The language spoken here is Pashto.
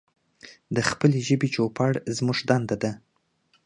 د خپلې ژبې چوپړ زمونږ دنده ده.